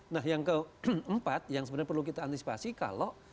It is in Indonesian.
nah yang keempat yang sebenarnya perlu kita antisipasi kalau